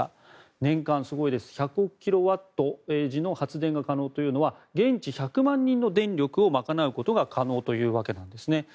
年間、１００億キロワット時の発電が可能というのは現地１００万人の電力を賄うことが可能というわけなんですね。